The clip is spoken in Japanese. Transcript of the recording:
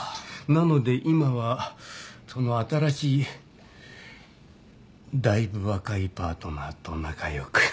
なので今はその新しいだいぶ若いパートナーと仲良く。